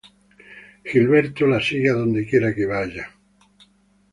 Gilberto la sigue a donde quiera que vaya.